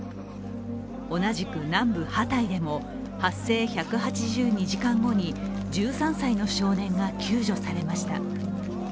同じく南部ハタイでも発生１８２時間後に１３歳の少年が救助されました。